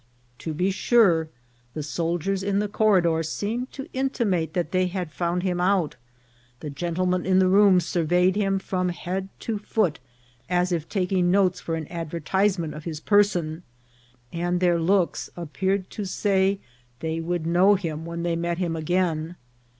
To be sure, the soldiers in the corridor seemed to intimate that they had found him out ; the gentlemen in the room surveyed him from head to foot, as if taking notes for an advertisement of his person, and their looks appeared to say they would know him when they met him again.